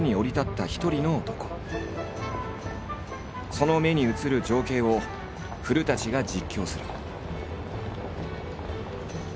その目に映る情景を古が実況する。